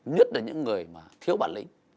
nhất là những người thiếu bản lý